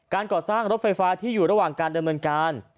การก่อสร้างรถไฟฟ้าที่อยู่ระหว่างการเดินเมืองการ